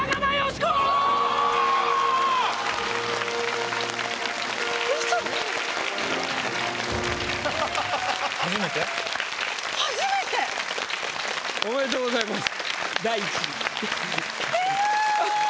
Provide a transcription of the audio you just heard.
すごい。おめでとうございます。